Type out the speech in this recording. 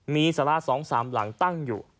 มีสารา๒๓หลังตั้งอยู่